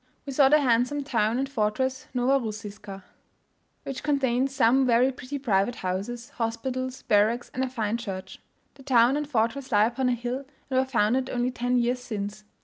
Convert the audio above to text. We saw the handsome town and fortress Nowa Russiska, which contains some very pretty private houses, hospitals, barracks, and a fine church. The town and fortress lie upon a hill, and were founded only ten years since.